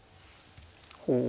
ほう。